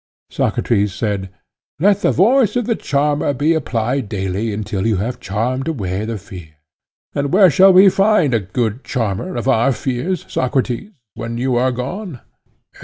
Socrates said: Let the voice of the charmer be applied daily until you have charmed away the fear. And where shall we find a good charmer of our fears, Socrates, when you are gone?